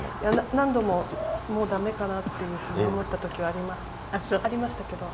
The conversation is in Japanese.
何度ももう駄目かなっていうふうに思った時はありましたけど。